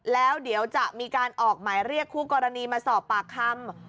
แล้วเดี๋ยวจะมีการออกหมายเรียกคู่กรณีมาสอบปากคำ